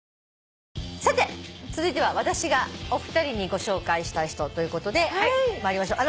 さて続いては私がお二人にご紹介したい人ということで参りましょう。